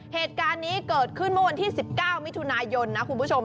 เหตุการณ์นี้เกิดขึ้นเมื่อวันที่๑๙มิถุนายนนะคุณผู้ชม